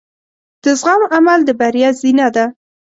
د زغم عمل د بریا زینه ده.